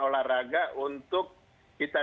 olahraga untuk kita